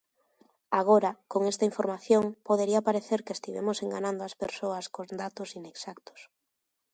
Agora, con esta información, podería parecer que estivemos enganando as persoas con datos inexactos.